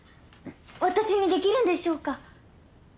私にできるんでしょうか。